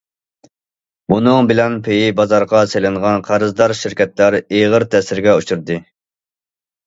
بۇنىڭ بىلەن پېيى بازارغا سېلىنغان قەرزدار شىركەتلەر ئېغىر تەسىرگە ئۇچرىدى.